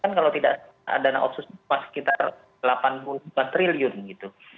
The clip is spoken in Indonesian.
kan kalau tidak dana otsus sekitar rp delapan puluh empat triliun gitu